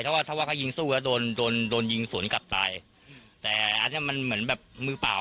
ถ้าว่าถ้าว่าเขายิงสู้แล้วโดนโดนโดนยิงสวนกลับตายแต่อันเนี้ยมันเหมือนแบบมือเปล่า